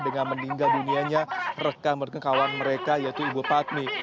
dengan meninggal dunianya rekan rekan kawan mereka yaitu ibu padmi